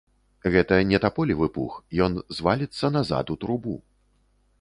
Гэта не таполевы пух, ён зваліцца назад у трубу.